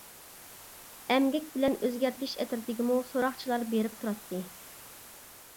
ئەمگەك بىلەن ئۆزگەرتىش ئەترىتىگىمۇ سوراقچىلار بېرىپ تۇراتتى.